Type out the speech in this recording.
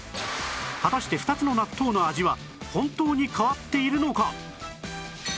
果たして２つの納豆の味は本当に変わっているのか？